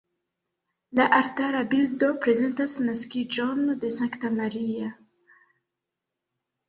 La altara bildo prezentas naskiĝon de Sankta Maria.